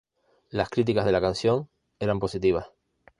Las críticas de la canción eran positivas.